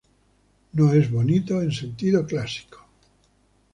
No es bonito en sentido clásico.